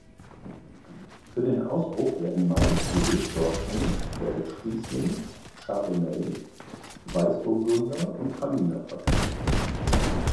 Für den Ausbruch werden meist die Rebsorten Welschriesling, Chardonnay, Weißburgunder und Traminer verwendet.